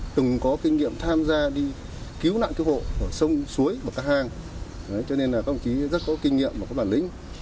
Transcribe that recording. từng có kinh nghiệm tham gia đi cứu nạn cứu hộ ở sông suối và các hang cho nên là các ông chí rất có kinh nghiệm và có bản lĩnh